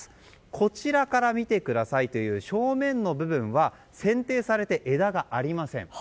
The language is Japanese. こちらから見てくださいという正面の部分は剪定されて枝がありません。